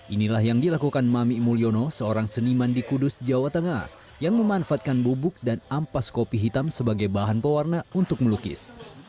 inilah yang dilakukan mami mulyono seorang seniman di kudus jawa tengah yang memanfaatkan bubuk dan ampas kopi hitam sebagai bahan pewarna untuk melukis